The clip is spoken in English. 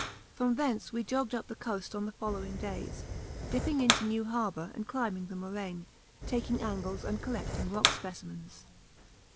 From thence we jogged up the coast on the following days, dipping into New Harbour and climbing the moraine, taking angles and collecting rock specimens.